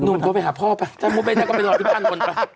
หนุ่มเขาไปหาพ่อไปถ้าไม่ได้เขาก็ไปหาพี่พันธุ์มนต์